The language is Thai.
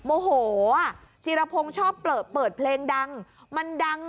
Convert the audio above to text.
โมโหอ่ะจีรพงศ์ชอบเปิดเพลงดังมันดัง